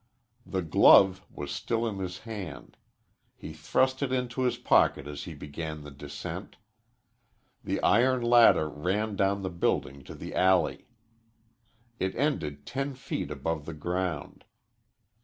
The glove was still in his hand. He thrust it into his pocket as he began the descent. The iron ladder ran down the building to the alley. It ended ten feet above the ground.